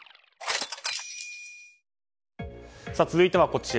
続いてはこちら。